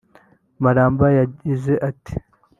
Maramba yagize ati